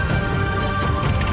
saya akan mencari kepuasan